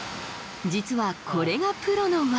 実はこれがプロの技